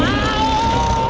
ada apa dinda dewi